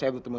eh pak mas